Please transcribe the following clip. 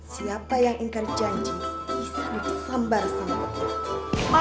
siapa yang ingkar janji bisa disambar sambar